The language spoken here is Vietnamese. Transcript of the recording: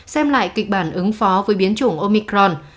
xem lại kịch bản ứng phó với biến chủng omicron